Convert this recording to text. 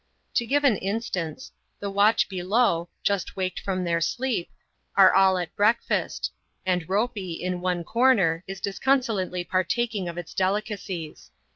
To give an instance. The watch below, just waked from their sleep, are all at breakfast ; and Ropey, in one comer, is disconsolately partaking of its delicacies.